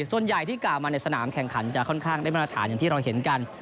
ส่วนใหญ่ที่กล่าวมาในสนามแข่งขันจะค่อนข้างได้มาตรฐานอย่างที่เราเห็นกัน